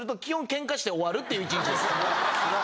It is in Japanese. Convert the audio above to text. っていう１日です。